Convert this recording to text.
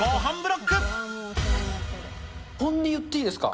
本音言っていいですか？